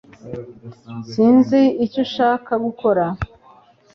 Sinzi icyo nshaka gukora